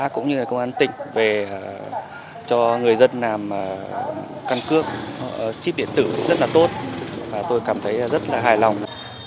cũng như là công an tỉnh về cho người dân làm căn cước chip điện tử cũng rất là tốt và tôi cảm thấy rất là hài lòng